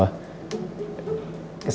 kamu tuh ketawa